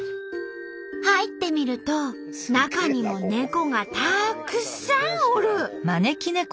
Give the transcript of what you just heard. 入ってみると中にも猫がたくさんおる！